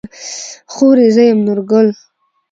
خورې زه يم نورګل.